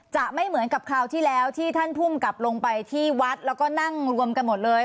จะไม่เหมือนกับคราวที่แล้วที่ท่านภูมิกับลงไปที่วัดแล้วก็นั่งรวมกันหมดเลย